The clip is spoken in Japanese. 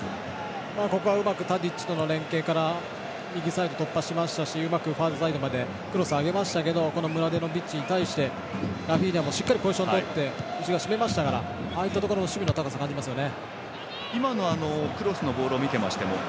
ここはうまくタディッチとの連係から右サイド突破しましたしファーサイドまでうまくクロスを上げましたけどムラデノビッチに対してラフィーニャもしっかりポジションをとって締めましたからああいったところの守備の高さを感じますよね。